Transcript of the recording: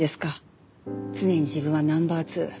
常に自分はナンバー２。